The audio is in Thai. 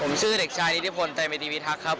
ผมชื่อเด็กชายนิติพลตรวัยไมตรีพิทักษ์ครับ